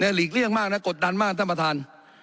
หลีกเลี่ยงมากนะกดดันมากท่านประธาน